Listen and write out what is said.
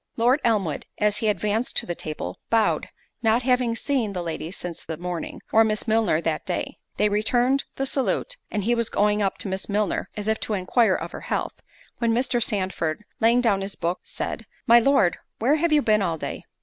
Lord Elmwood, as he advanced to the table, bowed, not having seen the ladies since the morning, or Miss Milner that day: they returned the salute, and he was going up to Miss Milner, (as if to enquire of her health) when Mr. Sandford, laying down his book, said, "My Lord, where have you been all day?"